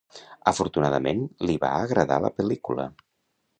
Afortunadament, li va agradar la pel·lícula.